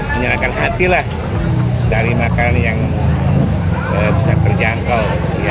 menyenangkan hati lah cari makanan yang bisa terjangkau